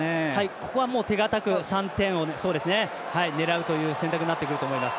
ここは、手堅く３点を狙うという選択になると思います。